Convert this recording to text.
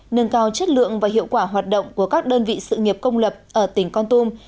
nâng cao chất lượng và hiệu quả hoạt động của các đơn vị sự nghiệp công lập ở tỉnh con tum